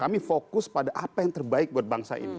kami fokus pada apa yang terbaik buat bangsa ini